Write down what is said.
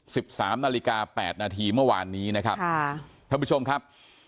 สิบสามนาฬิกาแปดนาทีเมื่อวานนี้นะครับค่ะท่านผู้ชมครับ